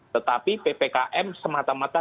tetapi ppkm semata mata